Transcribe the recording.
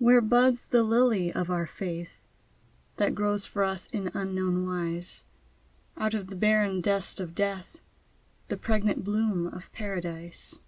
Where buds the lily of our Faith? That grows for us in unknown wise, Out of the barren dust of death, The pregnant bloom of Paradise.